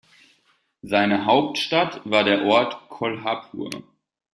Seine Hauptstadt war der Ort Kolhapur.